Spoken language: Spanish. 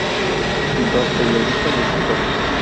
Pintor, periodista y escritor.